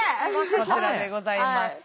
こちらでございます。